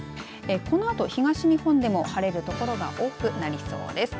このあと東日本でも晴れる所が多くなりそうです。